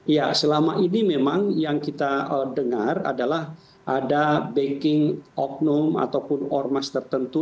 ya selama ini memang yang kita dengar adalah ada backing oknum ataupun ormas tertentu